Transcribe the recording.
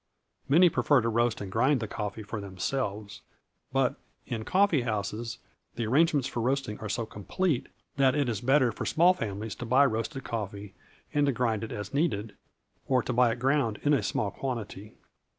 Many prefer to roast and grind the coffee for themselves; but in coffee houses the arrangements for roasting are so complete, that it is better for small families to buy roasted coffee and to grind it as needed, or to buy it ground in a small quantity.